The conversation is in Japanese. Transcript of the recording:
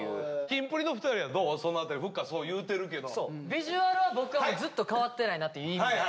ビジュアルは僕はもうずっと変わってないなっていい意味で。